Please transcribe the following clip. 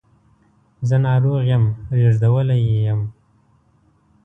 زه ناروغ یم ریږدولی یې یم